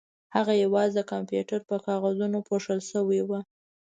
هغه یوازې د کمپیوټر په کاغذونو پوښل شوې وه